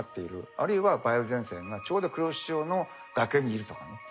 あるいは梅雨前線がちょうど黒潮の崖にいるとかねそういう条件。